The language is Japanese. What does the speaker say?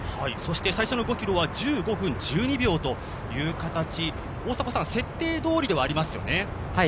そして最初の５ｋｍは１５分１２秒という形大迫さん設定どおりではありますよね？